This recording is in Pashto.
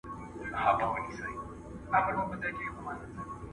په ساینس کي ګډه څېړنه ډېره ګټوره وي.